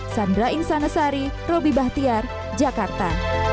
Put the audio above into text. sandra insanasari robby bahtiar jakarta